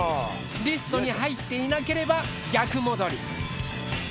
リストに入っていなければ逆戻り。